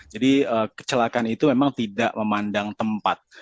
jadi kecelakaan itu memang tidak memandang tempat